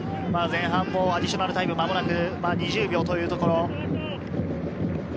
前半もアディショナルタイム、間もなく２０秒というところ。